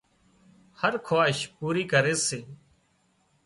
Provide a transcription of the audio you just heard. هر خواهش پوري ڪري سي